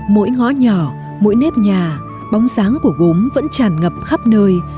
mỗi ngõ nhỏ mỗi nếp nhà bóng dáng của gốm vẫn tràn ngập khắp nơi